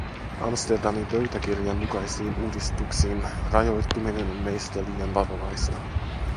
Amsterdamin pöytäkirjan mukaisiin uudistuksiin rajoittuminen on meistä liian varovaista.